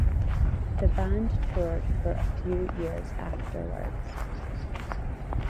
The band toured for a few years afterwards.